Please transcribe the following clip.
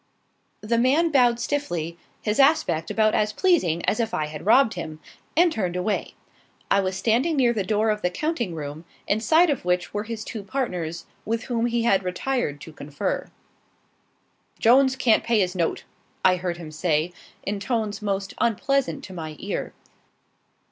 The man bowed stiffly, his aspect about as pleasing as if I had robbed him, and turned away. I was standing near the door of the counting room, inside of which were his two partners, with whom he had retired to confer. "Jones can't pay his note," I heard him say, in tones most unpleasant to my ear.